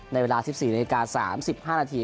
ในเวลา๑๔นาฬิกา๓๕นาที